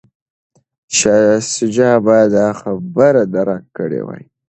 شاه شجاع باید دا خبره درک کړې وای.